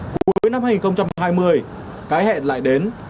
cuối năm hai nghìn hai mươi cái hẹn lại đến